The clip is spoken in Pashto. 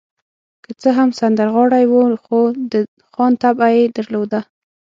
که څه هم سندرغاړی و، خو د خان طبع يې درلوده.